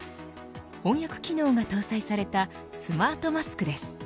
翻訳機能が搭載されたスマートマスクです。